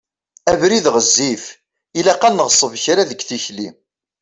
Abrid ɣezzif, ilaq ad neɣṣeb kra deg tikli.